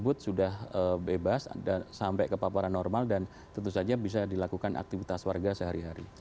di sini kita sudah memberikan informasi bahwa wilayah tersebut sudah bebas sampai ke paparan normal dan tentu saja bisa dilakukan aktivitas warga sehari hari